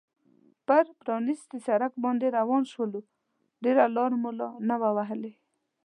پر پرانیستي سړک باندې روان شولو، ډېره لار مو لا نه وه وهلې.